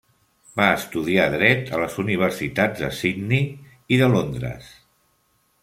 Va estudiar dret a les universitats de Sydney i de Londres.